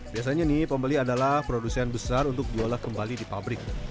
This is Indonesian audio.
biasanya nih pembeli adalah produsen besar untuk diolah kembali di pabrik